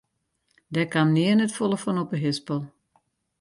Dêr kaam nea net folle fan op de hispel.